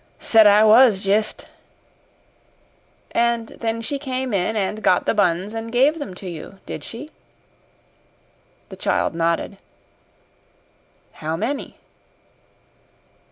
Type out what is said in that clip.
"Said I was jist." "And then she came in and got the buns, and gave them to you, did she?" The child nodded. "How many?"